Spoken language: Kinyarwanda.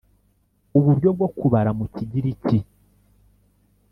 uburyo bwo kubara mu kigiriki